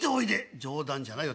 「冗談じゃないよ。